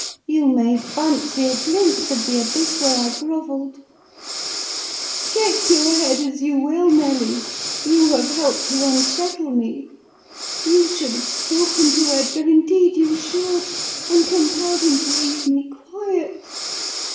You may fancy a glimpse of the abyss where I grovelled! Shake your head as you will, Nelly, you have helped to unsettle me! You should have spoken to Edgar, indeed you should, and compelled him to leave me quiet!